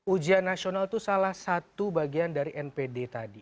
ujian nasional itu salah satu bagian dari npd tadi